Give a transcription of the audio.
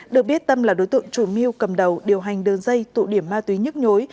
được biết tâm là đối tượng chủ mưu cầm đầu điều hành đơn dây tụ điểm ma túy nhức nhối